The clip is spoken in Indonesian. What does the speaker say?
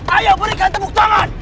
ayo berikan tepuk tangan